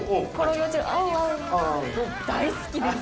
もう大好きです！